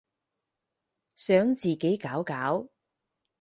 想自己搞搞